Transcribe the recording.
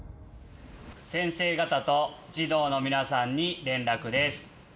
先生方と児童の皆さんに連絡です。